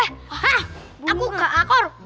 hah aku gak akor